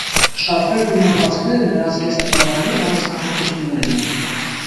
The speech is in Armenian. Շարֆերն ու մանվածքները նրա զգեստապահարանի առանձնահատկություններն են։